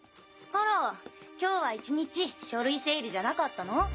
あら今日は１日書類整理じゃなかったの？